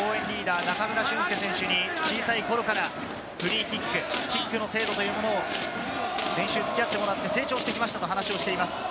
今大会の応援リーダー・中村俊輔選手に小さい頃からフリーキック、キックの精度というものを練習につき合ってもらって成長してきましたと話をしています。